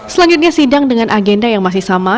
selanjutnya sidang dengan agenda yang masih sama